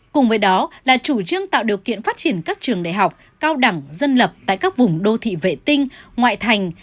cùng với đó là chủ trương tạo điều kiện phát triển các trường đại học cao đẳng dân lập tại các vùng đô thị vệ tinh ngoại thành